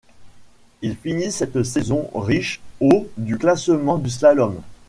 Il finit cette saison riche au du classement du slalom.